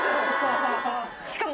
しかも。